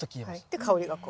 で香りがこうね。